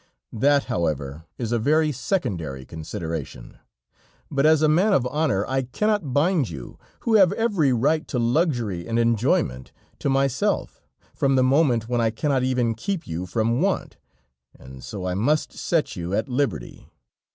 That, however, is a very secondary consideration; but as a man of honor, I cannot bind you, who have every right to luxury and enjoyment, to myself, from the moment when I cannot even keep you from want, and so I must set you at liberty."